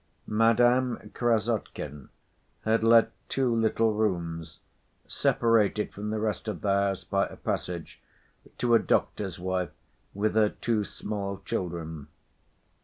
Madame Krassotkin had let two little rooms, separated from the rest of the house by a passage, to a doctor's wife with her two small children.